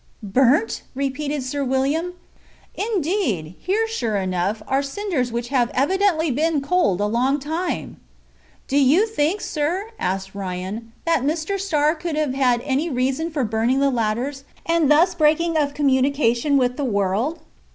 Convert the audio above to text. "Burnt?" repeated Sir William. "Indeed, here sure enough are cinders which have evidently been cold a long time!" "Do you think, sir," asked Ryan, "that Mr. Starr could have had any reason for burning the ladders, and thus breaking of communication with the world?"